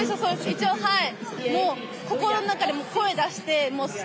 一応はい。